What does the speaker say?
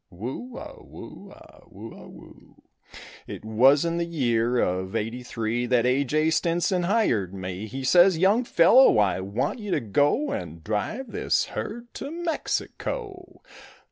Whoo a whoo a whoo a whoo. It was in the year of eighty three That A.J. Stinson hired me. He says, "Young fellow, I want you to go And drive this herd to Mexico."